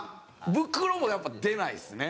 ブクロもやっぱ出ないですね。